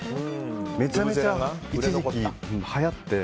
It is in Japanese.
めちゃめちゃ一時期はやって。